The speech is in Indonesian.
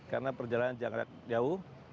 karena perjalanan jangan jauh